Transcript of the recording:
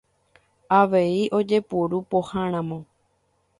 Avei ojepuru pohãramo.